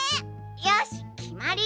よしきまり！